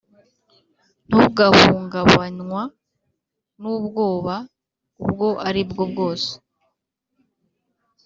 ntugahungabanywa n’ubwoba ubwo ari bwo bwose.